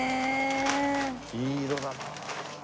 いい色だなあ。